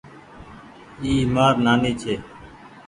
اي مآر نآني ڇي۔